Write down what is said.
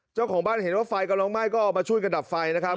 เจ้าของบ้านเห็นว่าไฟกำลังไหม้ก็มาช่วยกันดับไฟนะครับ